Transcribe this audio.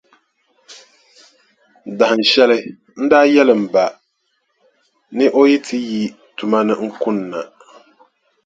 Dahinshɛli, n daa yɛli m ba, ni o yi ti yi tuma ni kunna,